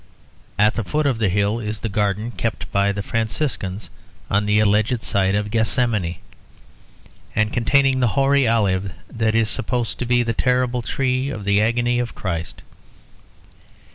At the foot of the hill is the garden kept by the Franciscans on the alleged site of Gethsemane, and containing the hoary olive that is supposed to be the terrible tree of the agony of Christ.